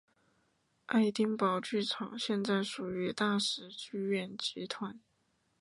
爱丁堡剧场现在属于大使剧院集团。